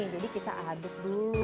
jadi kita aduk dulu